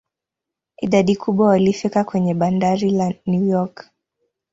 Idadi kubwa walifika kwenye bandari la New York.